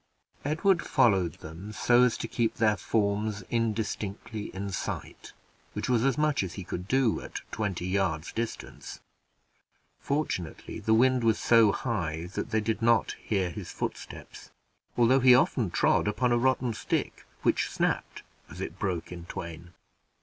Edward followed them, so as to keep their forms indistinctly in sight, which was as much as he could do at twenty yards' distance; fortunately the wind was so high that they did not hear his footsteps, although he often trod upon a rotten stick, which snapped as it broke in twain.